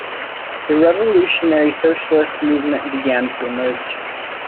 A revolutionary socialist movement began to emerge.